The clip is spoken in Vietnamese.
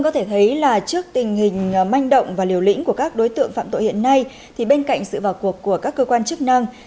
trước tình hình manh động và liều lĩnh của các đối tượng phạm tội hiện nay bên cạnh sự vào cuộc của các cơ quan chức năng